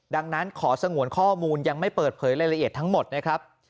ดังนั้นขอสงวนข้อมูลยังไม่เปิดเผยรายละเอียดทั้งหมดนะครับ